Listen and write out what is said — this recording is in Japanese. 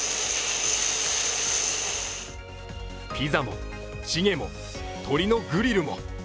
ピザも、チゲも、鶏のグリルも。